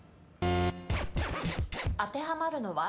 当てはまるのは？